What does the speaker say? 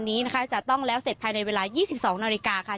คะแนนในวันนี้จะต้องแล้วเสร็จภายในเวลา๒๒นาฬิกา